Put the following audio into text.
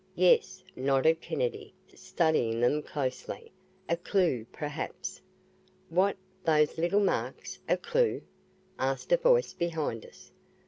"Yes," nodded Kennedy, studying them closely. "A clue perhaps." "What those little marks a clue?" asked a voice behind us.